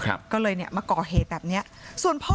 พี่น้องของผู้เสียหายแล้วเสร็จแล้วมีการของผู้เสียหาย